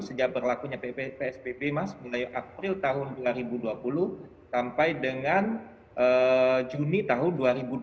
sejak berlakunya psbb mas mulai april tahun dua ribu dua puluh sampai dengan juni tahun dua ribu dua puluh